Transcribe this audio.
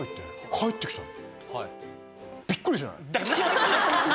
返ってきたの。